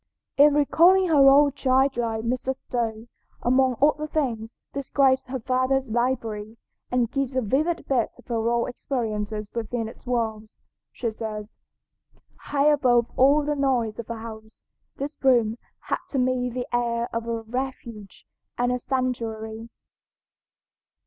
In recalling her own child life Mrs. Stowe, among other things, describes her father's library, and gives a vivid bit of her own experiences within its walls. She says: "High above all the noise of the house, this room had to me the air of a refuge and a sanctuary.